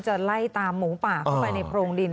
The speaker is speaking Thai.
จะไล่ตามหมูป่าเข้าไปในโพรงดิน